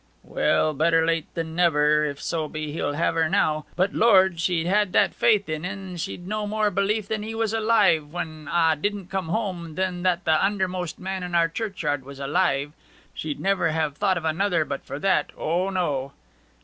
'Well; better late than never, if so be he'll have her now. But, Lord, she'd that faith in 'en that she'd no more belief that he was alive, when a' didn't come, than that the undermost man in our churchyard was alive. She'd never have thought of another but for that O no!'